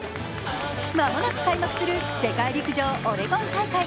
間もなく開幕する世界陸上オレゴン大会。